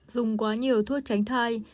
dùng quá nhiều thuốc tránh thai